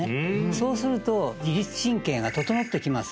そうすると自律神経が整ってきます